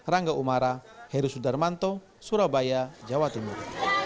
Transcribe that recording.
rangga umara heru sudarmanto surabaya jawa timur